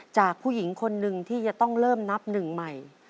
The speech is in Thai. จากผู้หญิงคนหนึ่งที่จะต้องเริ่มนับหนึ่งใหม่